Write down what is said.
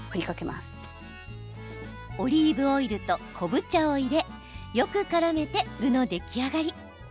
オリーブオイルと昆布茶を入れよくからめて具の出来上がり。